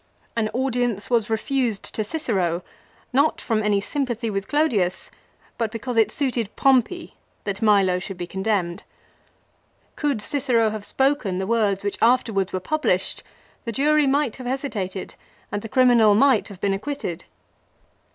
An audience was refused to Cicero, not from any sympathy with Clodius, but because it suited Pompey that Milo should be condemned. Could Cicero have spoken the words which afterwards were published the jury might have hesitated and the criminal might have been ac quitted.